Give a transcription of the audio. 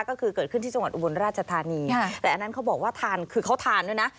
ก็คือเกิดขึ้นที่จังหวัดอุบลราชธานีแต่อันนั้นเขาบอกว่าทานคือเขาทานด้วยนะ